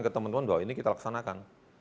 ke teman teman bahwa ini kita laksanakan